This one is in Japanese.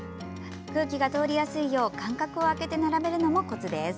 空気が通りやすいよう間隔を空けて並べるのもコツです。